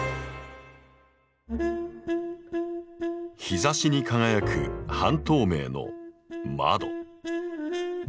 日ざしに輝く半透明の「窓」。